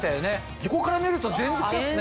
横から見ると全然違いますね。